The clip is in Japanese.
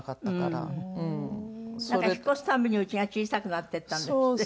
なんか引っ越すたんびにうちが小さくなっていったんですって？